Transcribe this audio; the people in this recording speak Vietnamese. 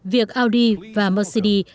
việc audi và mercedes